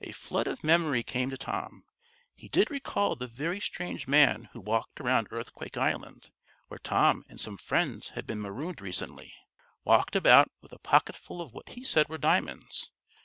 A flood of memory came to Tom. He did recall the very strange man who walked around Earthquake Island where Tom and some friends had been marooned recently walked about with a pocketful of what he said were diamonds.